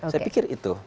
saya pikir itu